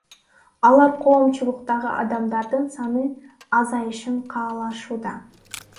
Алар коомчулуктагы адамдардын саны азайышын каалашууда.